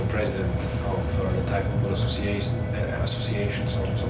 เอเจียในตัวฉันมีความรัก